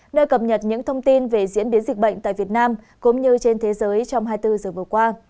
nơi cập nhật những thông tin về diễn biến dịch bệnh tại việt nam cũng như trên thế giới trong hai mươi bốn giờ vừa qua